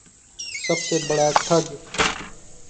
سب سے بڑا ٹھگ